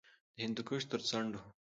د هندوکش تر څنډو